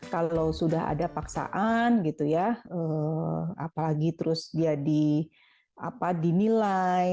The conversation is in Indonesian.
kalau sudah ada paksaan apalagi terus dia dinilai